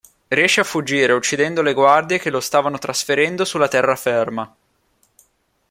Riesce a fuggire uccidendo le guardie che lo stavano trasferendo sulla terraferma.